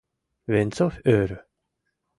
— Венцов ӧрӧ.